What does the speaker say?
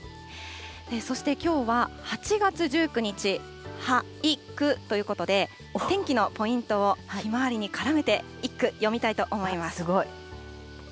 そしてきょうは８月１９日、はいくということで、お天気のポイントをひまわりにからめて一句、すごい。